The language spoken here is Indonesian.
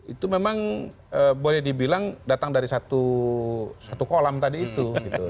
itu memang boleh dibilang datang dari satu kolam tadi itu